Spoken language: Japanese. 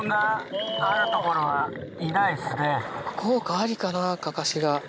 効果ありかなカカシが。